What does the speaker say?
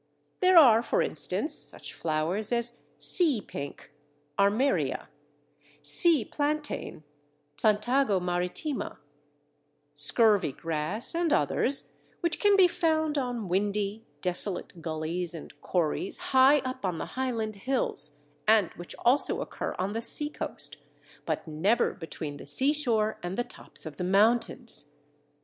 There are, for instance, such flowers as Sea pink (Armeria), Sea Plantain (Plantago maritima), Scurvy grass, and others, which can be found on windy, desolate gullies and corries high up on the Highland hills, and which also occur on the sea coast, but never between the seashore and the tops of the mountains.